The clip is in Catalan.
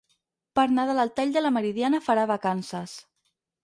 Per Nadal el tall de la Meridiana farà vacances